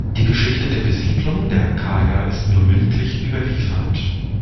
Die Geschichte der Besiedlung der Kaya ist nur mündlich überliefert.